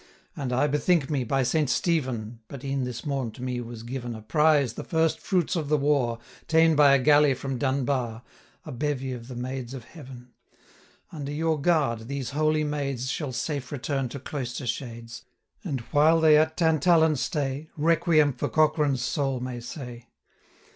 435 And, I bethink me, by Saint Stephen, But e'en this morn to me was given A prize, the first fruits of the war, Ta'en by a galley from Dunbar, A bevy of the maids of Heaven. 440 Under your guard, these holy maids Shall safe return to cloister shades, And, while they at Tantallon stay, Requiem for Cochran's soul may say.'